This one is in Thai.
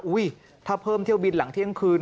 ถ้าเพิ่มเที่ยวบินหลังเที่ยงคืน